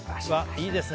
いいですね